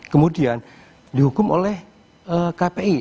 kemudian dihukum oleh kpi